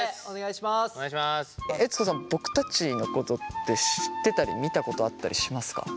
悦子さん僕たちのことって知ってたり見たことあったりしますか？